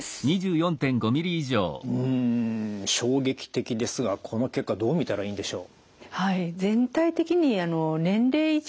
うん衝撃的ですがこの結果どう見たらいいんでしょう？